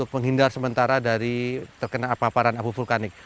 menghindar sementara dari terkena paparan abu vulkanik